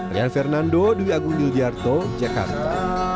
rian fernando dwi agung yuldiarto jakarta